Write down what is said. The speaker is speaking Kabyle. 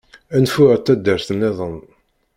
Nfu ar taddart-nniḍen.